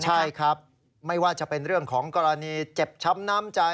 ใช่ครับไม่ว่าจะเป็นเรื่องของกรณีเจ็บช้ำน้ำใจ